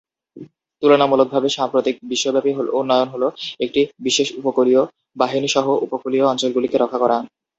তুলনামূলকভাবে সাম্প্রতিক দেশব্যাপী উন্নয়ন হ'ল একটি বিশেষ উপকূলীয় বাহিনী সহ উপকূলীয় অঞ্চলগুলিকে রক্ষা করা।